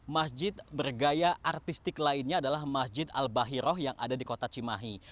masjid bergaya artistik lainnya adalah masjid al bahiroh yang ada di kota cimahi